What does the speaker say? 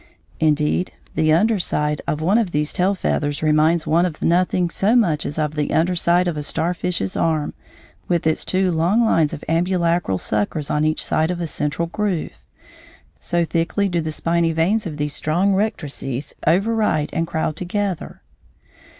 Indeed, the under side of one of these tail feathers reminds one of nothing so much as of the under side of a star fish's arm with its two long lines of ambulacral suckers on each side of a central groove, so thickly do the spiny vanes of these strong rectrices over ride and crowd together.